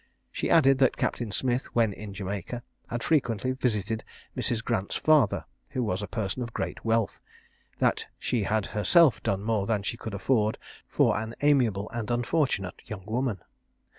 She added, that Captain Smith, when in Jamaica, had frequently visited Mrs. Grant's father, who was a person of great wealth; that she had herself done more than she could afford for an amiable and unfortunate young woman.